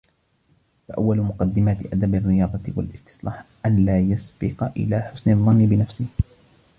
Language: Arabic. فَأَوَّلُ مُقَدَّمَاتِ أَدَبِ الرِّيَاضَةِ وَالِاسْتِصْلَاحِ أَنْ لَا يَسْبِقَ إلَى حُسْنِ الظَّنِّ بِنَفْسِهِ